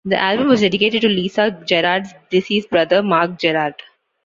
The album was dedicated to Lisa Gerrard's deceased brother, Mark Gerrard.